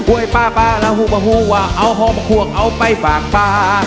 เว้ยป่าป่าลาหูป่าหูว่าเอาหอมโมกหัวเอาไปฝากป่า